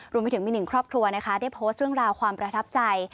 รวมไปถึงมีหนึ่งครอบครัวนะคะได้โพสต์เรื่องราวความประทับใจ